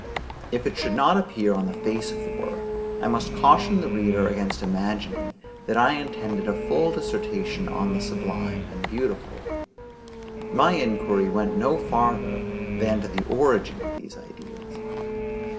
If it should not appear on the face of the work, I must caution the reader against imagining that I intended a full dissertation on the Sublime and Beautiful. My inquiry went no farther than to the origin of these ideas.